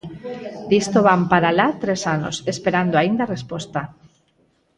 Disto van para alá tres anos, esperando aínda resposta.